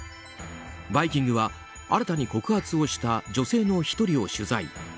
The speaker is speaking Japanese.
「バイキング」は新たに告発をした女性の１人を取材。